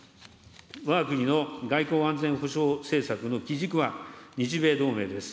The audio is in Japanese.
わが国の外交安全保障政策の基軸は、日米同盟です。